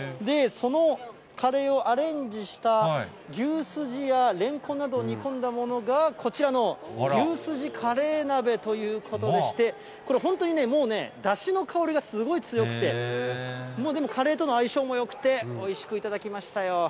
そのカレーをアレンジした牛すじやレンコンなどを煮込んだものが、こちらの牛すじカレー鍋ということでして、これ、本当にもうだしの香りがすごい強くて、もう、でも、カレーとの相性もよくて、おいしく頂きましたよ。